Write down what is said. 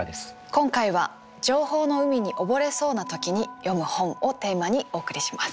今回は「情報の海に溺れそうな時に読む本」をテーマにお送りします。